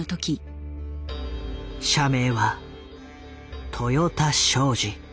社名は豊田商事。